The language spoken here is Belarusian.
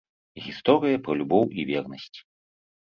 Гісторыя пра любоў і вернасць.